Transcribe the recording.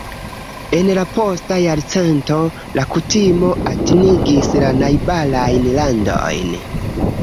En la posta jarcento, la kutimo atingis la najbarajn landojn.